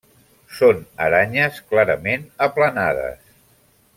Són aranyes clarament aplanades.